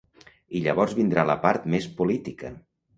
I llavors vindrà la part més política.